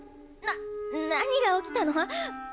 な何が起きたの？